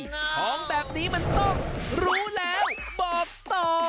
ของแบบนี้มันต้องรู้แล้วบอกต่อ